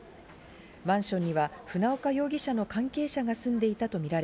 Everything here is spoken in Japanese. マンションには船岡容疑者の関係者が住んでいたとみられ、